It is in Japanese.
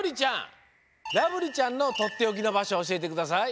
らぶりちゃんのとっておきのばしょおしえてください。